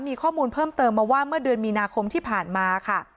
มีข้อมูลเพิ่มเติมมาว่าเมื่อเดือนมีนาคมที่ผ่านมาค่ะ